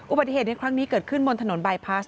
อุบัติเหตุในครั้งนี้เกิดขึ้นบนถนนบายพลาส